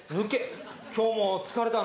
今日も疲れたな。